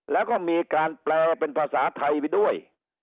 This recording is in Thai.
แล้วก็มีการแปลเป็นภาษาไทยไปด้วย